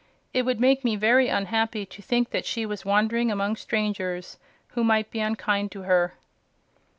It would make me very unhappy to think that she was wandering among strangers who might be unkind to her."